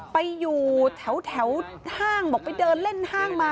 ไปอยู่แถวห้างบอกไปเดินเล่นห้างมา